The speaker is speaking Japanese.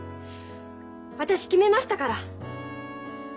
私決めましたから。